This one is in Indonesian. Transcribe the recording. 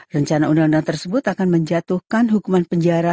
rencana undang undang tersebut akan menjatuhkan hukuman penjara